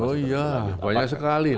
oh iya banyak sekali